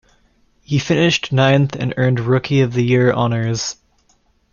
He finished ninth and earned Rookie-of-the-Year honors.